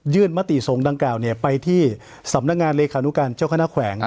ยื่นมติทรงดังกล่าวเนี่ยไปที่สำนักงานเลขานุการณ์เจ้าคณะแขวง